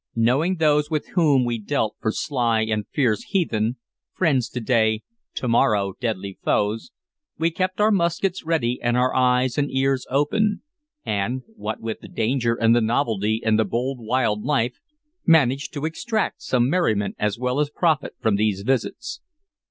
Knowing those with whom we dealt for sly and fierce heathen, friends to day, to morrow deadly foes, we kept our muskets ready and our eyes and ears open, and, what with the danger and the novelty and the bold wild life, managed to extract some merriment as well as profit from these visits.